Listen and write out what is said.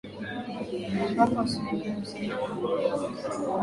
ambapo asilimia hamsini na mbili ya wapiga kura